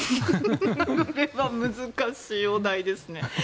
これは難しいお題ですね。